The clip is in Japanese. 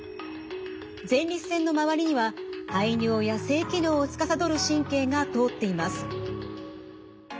前立腺の周りには排尿や性機能をつかさどる神経が通っています。